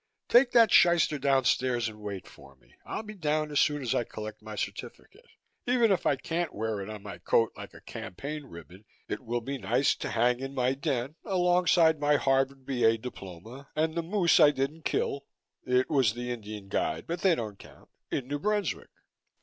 Take that shyster downstairs and wait for me. I'll be down as soon as I collect my certificate. Even if I can't wear it on my coat like a campaign ribbon it will be nice to hang in my den alongside my Harvard B.A. diploma and the moose I didn't kill it was the Indian guide but they don't count in New Brunswick."